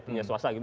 punya suasana gitu